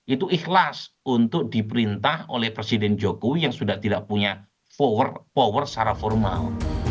itu ikhlas untuk diperintah oleh presiden jokowi yang sudah tidak punya power secara formal